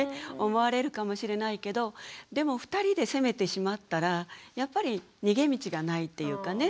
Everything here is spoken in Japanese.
思われるかもしれないけどでも２人で責めてしまったらやっぱり逃げ道がないっていうかね